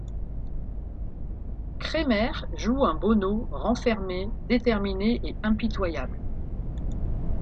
Cremer joue un Bonnot renfermé, déterminé et impitoyable.